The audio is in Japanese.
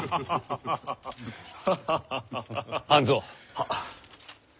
はっ。